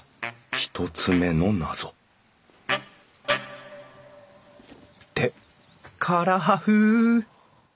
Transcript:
１つ目の謎って唐破風！